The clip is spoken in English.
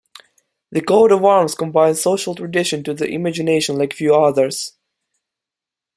The coat of arms combines social tradition to the imagination like few others.